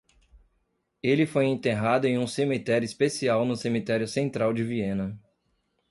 Ele foi enterrado em um cemitério especial no cemitério central de Viena.